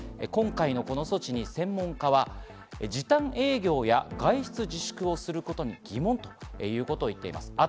今回の措置に専門家は時短営業や外出自粛をすることに疑問ということを言っています。